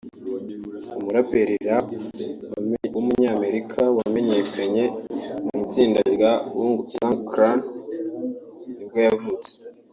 umuraperi Rap w’umunyamerika wamenyekanye mu itsinda rya Wu-Tang Clan nibwo yavutse